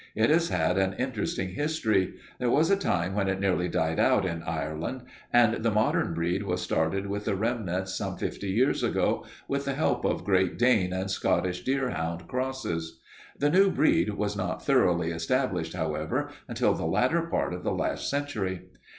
It has had an interesting history. There was a time when it nearly died out in Ireland, and the modern breed was started with the remnants some fifty years ago, with the help of Great Dane and Scottish deerhound crosses. The new breed was not thoroughly established, however, until the latter part of the last century.